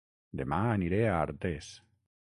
Dema aniré a Artés